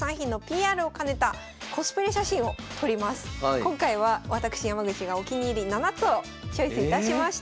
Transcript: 今回は私山口がお気に入り７つをチョイスいたしました。